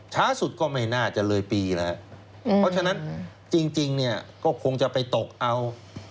ช้าสุดก็ไม่น่าจะเลยปีแล้วเพราะฉะนั้นจริงเนี่ยก็คงจะไปตกเอา